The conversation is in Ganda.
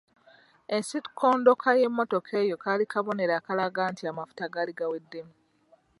Ensikondoka y’emmotoka eyo kaali kabonero akalaga nti amafuta gaali gaweddemu.